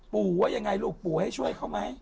ว่ายังไงลูกปู่ให้ช่วยเขาไหม